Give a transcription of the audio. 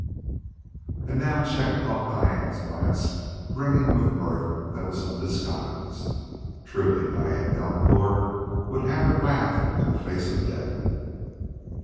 And now Chet caught Diane's glance brimming with mirth that was undisguised. Truly, Diane Delacouer would have her laugh in the face of death.